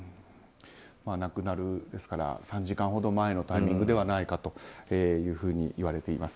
亡くなる３時間ほど前のタイミングではないかといわれています。